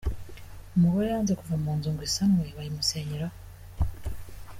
Umugore yanze kuva mu nzu ngo isanwe bayimusenyeraho